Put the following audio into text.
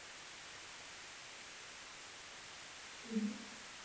Při hodině dějepisu v něm Marge objeví lásku ke knihám.